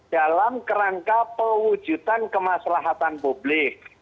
dalam kerangka pewujudan kemaslahatan publik